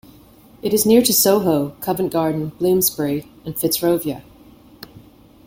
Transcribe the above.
It is near to Soho, Covent Garden, Bloomsbury and Fitzrovia.